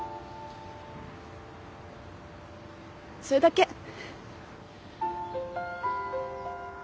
それだけ。